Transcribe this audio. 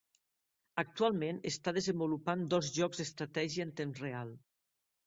Actualment està desenvolupant dos jocs d'estratègia en temps real.